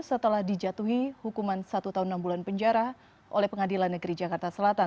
setelah dijatuhi hukuman satu tahun enam bulan penjara oleh pengadilan negeri jakarta selatan